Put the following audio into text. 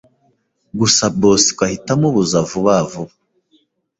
gusa Bosco ahita amubuza vuba vuba.